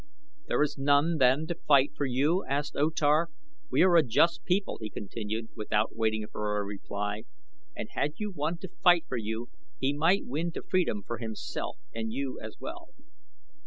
"There is none then to fight for you?" asked O Tar. "We are a just people," he continued without waiting for a reply, "and had you one to fight for you he might win to freedom for himself and you as well."